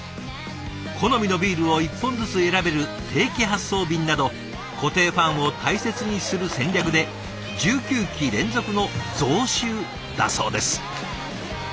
好みのビールを１本ずつ選べる定期発送便など固定ファンを大切にする戦略で１９期連続の増収だそうです。